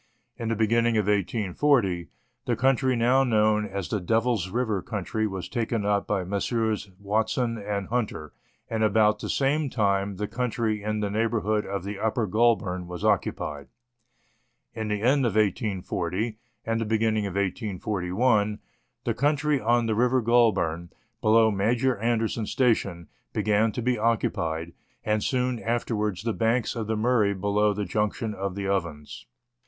In the beginning of 1840, the country now known as the Devil's River country was taken up by Messrs. Watson and Hunter ; and about the same time the country in the neighbour hood of the Upper Goulburn was occupied. In the end of 1840, and the beginning of 1841, the country on the River Goulburn, below Major Anderson's station, began to be occupied, and soon afterwards the banks of the Murray below the junction of the Ovens.